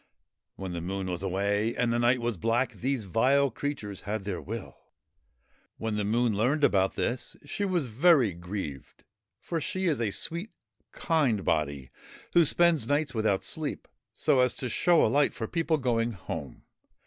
When the Moon was away and the night was black, these vile creatures had their will. When the Moon learned about this, she was very grieved, for she is a sweet, kind body, who spends nights without sleep, so as to show a light for people going home.